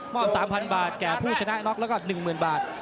มอบสามพันบาทแก่ผู้ชนะน็อกแล้วก็หนึ่งหมื่นบาท